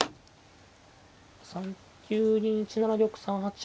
３九銀１七玉３八飛車